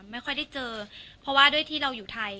ไม่ค่อยได้เจอเพราะว่าด้วยที่เราอยู่ไทย